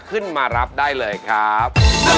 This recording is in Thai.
ขึ้นมารับได้เลยครับ